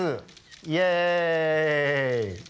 イエイ！